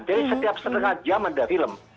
jadi setiap setengah jam ada film